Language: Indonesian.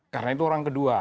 karena itu orang kedua